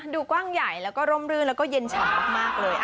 กว้างใหญ่แล้วก็ร่มรื่นแล้วก็เย็นฉ่ำมากเลย